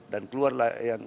dan keluar yang